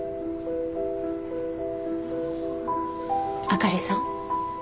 あかりさん。